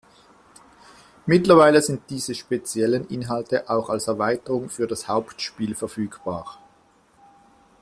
Mittlerweile sind diese speziellen Inhalte auch als Erweiterung für das Hauptspiel verfügbar.